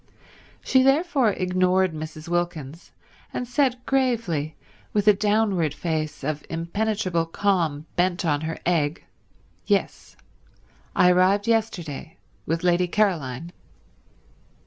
She therefore ignored Mrs. Wilkins and said gravely, with a downward face of impenetrable calm bent on her egg, "Yes. I arrived yesterday with Lady Caroline."